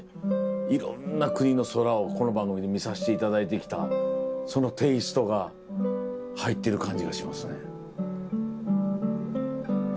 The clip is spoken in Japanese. いろんな国の空をこの番組で見させていただいてきたそのテイストが入ってる感じがしますね。